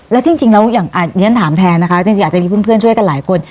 แล้วจริงแล้วอย่างที่ฉันถามแทนนะคะจริงอาจจะมีเพื่อนช่วยกันหลายคน